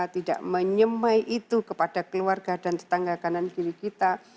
tidak menyemai itu kepada keluarga dan tetangga kita